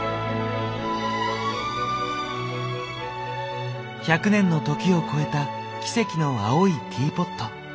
いや１００年の時を超えた奇跡の青いティーポット。